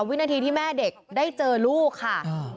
วินาทีที่แม่เด็กได้เจอลูกค่ะ